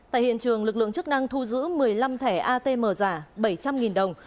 tại hiện trường lực lượng chức năng thu giữ một mươi năm thẻ atm giả bảy trăm linh đồng